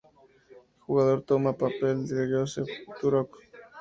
El jugador toma el papel de Joseph Turok.